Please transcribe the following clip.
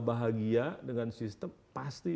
bahagia dengan sistem pasti